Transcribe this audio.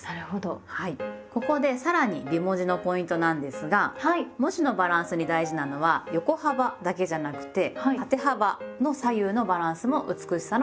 ここでさらに美文字のポイントなんですが文字のバランスに大事なのは横幅だけじゃなくて縦幅の左右のバランスも美しさのポイントです。